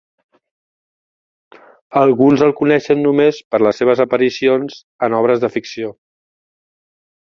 Alguns el coneixen només per les seves aparicions en obres de ficció.